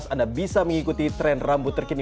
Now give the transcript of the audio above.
anda bisa mengikuti tren rambut terkini